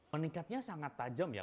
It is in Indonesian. meningkatnya sangat tajam ya